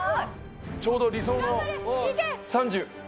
ちょうど理想の３０。